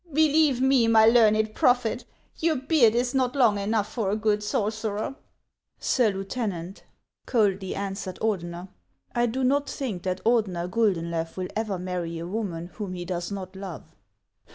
Believe me, my learned prophet, your beard is not long enough for a good sorcerer." " Sir Lieutenant," coldly answered Ordener, " I do not 10G HANS OF ICELAND. think that Ordener Guldenlew will ever marry a woman whom he does not love."